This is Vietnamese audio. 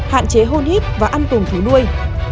hạn chế hôn hiếp và ăn cùng thú nuôi